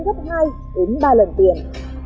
gấp hai ba lần tiền